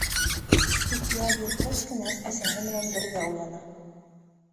Тик яҙ еткәс кенә, әсәһе менән бергә уяна...